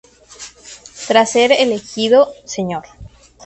Tras ser elegido "Mr.